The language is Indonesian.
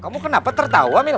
kamu kenapa tertawa mil